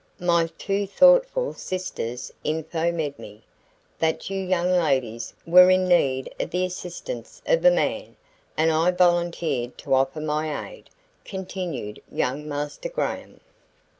"My two thoughtful sisters info'med me that you young ladies were in need of the assistance of a man, and I volunteered to offer my aid," continued young Master Graham.